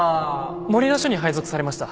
守名署に配属されました。